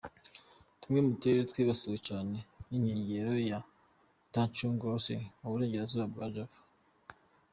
Tumwe mu turere twibasiwe cane ni inkengera ya Tanjung Lesung, mu burengero bwa Java.